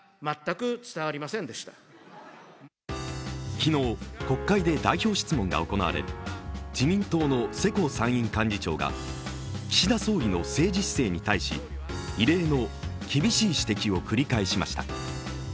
昨日、国会で代表質問が行われ自民党の世耕参院幹事長が岸田総理の政治姿勢に対し、異例の厳しい指摘を繰り返しました。